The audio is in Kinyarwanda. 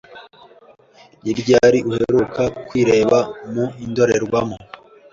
Ni ryari uheruka kwireba mu ndorerwamo?